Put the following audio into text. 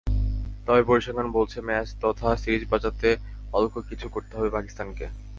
তবে পরিসংখ্যান বলছে, ম্যাচ তথা সিরিজ বাঁচাতে অলৌকিক কিছু করতে হবে পাকিস্তানকে।